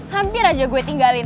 hampir aja gue tinggalin